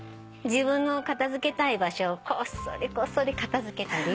自分の片付けたい場所をこっそりこっそり片付けたり。